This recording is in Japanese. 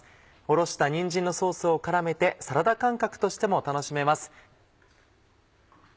おろしたにんじんのソースを絡めてサラダ感覚としても楽しめます。